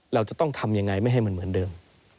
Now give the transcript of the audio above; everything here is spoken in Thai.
เราจะต้องทำยังไงไม่ให้มันเหมือนเดิม